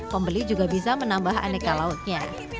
pembeli juga bisa menambah aneka lauknya